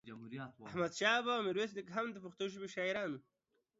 احمد شاه بابا او ميرويس نيکه هم دا پښتو ژبې شاعران وو